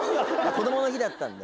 こどもの日だったんで。